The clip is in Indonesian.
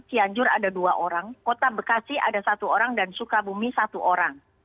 cianjur ada dua orang kota bekasi ada satu orang dan sukabumi satu orang